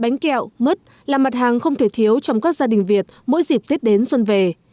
bánh kẹo mứt là mặt hàng không thể thiếu trong các gia đình việt mỗi dịp tết đến xuân về